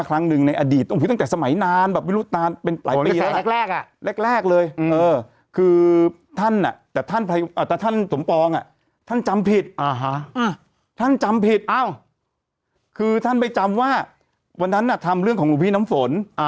คือท่านไปจำว่าวันนั้นทำเรื่องของหลวงพี่น้ำสน